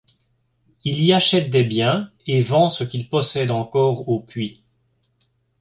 Il y achète des biens et vend ce qu'il possède encore au Puy.